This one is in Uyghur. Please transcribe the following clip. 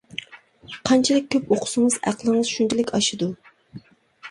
قانچىلىك كۆپ ئوقۇسىڭىز ئەقلىڭىز شۇنچىلىك ئاشىدۇ.